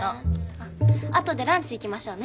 あっ後でランチ行きましょうね。